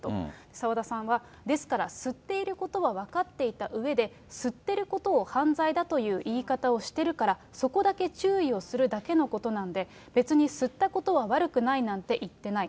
澤田さんは、ですから吸っていることは分かっていたうえで、吸ってることを犯罪だという言い方をしているから、そこだけ注意をするだけのことなんで、別に吸ったことは悪くないなんて言ってない。